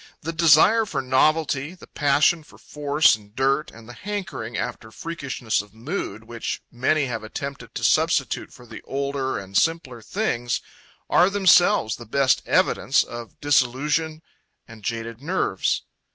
The desire for novelty, the passion for force and dirt, and the hankering after freakishness of mood, which many have attempted to substitute for the older and simpler things, are themselves the best evidence of disillusion and jaded nerves.